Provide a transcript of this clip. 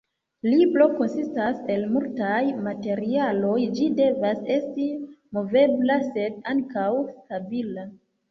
Libro konsistas el multaj materialoj, ĝi devas esti movebla sed ankaŭ stabila.